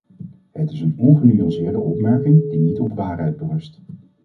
Het is een ongenuanceerde opmerking die niet op waarheid berust.